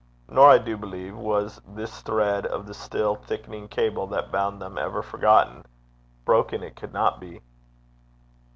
Nor, I do believe, was this thread of the still thickening cable that bound them ever forgotten: broken it could not be.